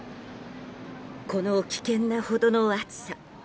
この危険なほどの暑さ。